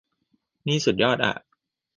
นี่สุดยอดอ่ะ